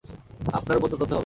আপনার উপর তদন্ত হবে।